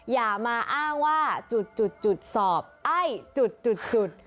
อย่ามาอ้างว่าจุดสอบไอ้จุด